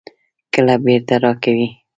کله بیرته راکوئ؟